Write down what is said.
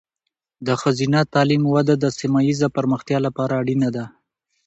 د ښځینه تعلیم وده د سیمه ایزې پرمختیا لپاره اړینه ده.